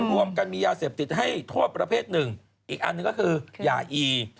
รวมกันมียาเสพติดให้โทษประเภทหนึ่งอีกอันหนึ่งก็คือยาอี